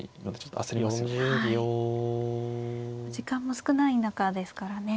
時間も少ない中ですからね。